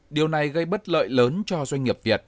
điều này gây bất lợi lớn cho doanh nghiệp việt